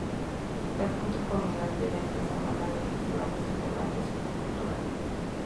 El punto culminante de esta semana de festividades es el gran desfile cultural.